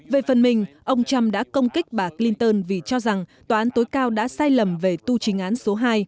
về phần mình ông trump đã công kích bà clinton vì cho rằng tòa án tối cao đã sai lầm về tu chính án số hai